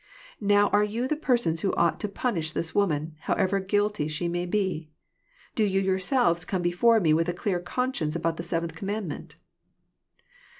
Now are yon the persons who ought to punish this woman, however guilty she may be ? Do you yourselves ' come before me with dear consciences about the seventh com mandment?"